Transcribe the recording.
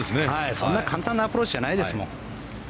そんな簡単なアプローチじゃないですもん。